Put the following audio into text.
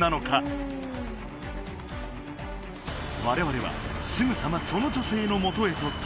われわれはすぐさまその女性のもとへと飛んだ